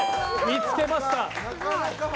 見つけました。